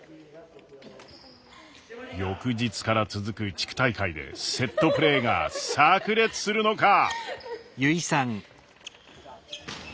翌日から続く地区大会でセットプレーがさく裂するのか？